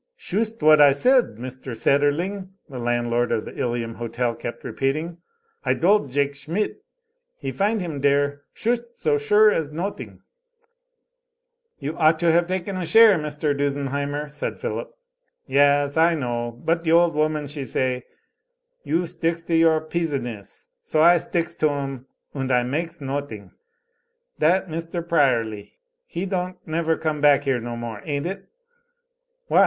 "Shust what I said, Mister Sederling," the landlord of the Ilium hotel kept repeating. "I dold Jake Schmidt he find him dere shust so sure as noting." "You ought to have taken a share, Mr. Dusenheimer," said Philip. "Yaas, I know. But d'old woman, she say 'You sticks to your pisiness. So I sticks to 'em. Und I makes noting. Dat Mister Prierly, he don't never come back here no more, ain't it?" "Why?"